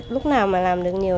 lúc nào mà làm được nhiều